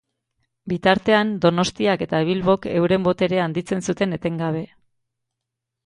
Bitartean, Donostiak eta Bilbok euren boterea handitzen zuten etengabe.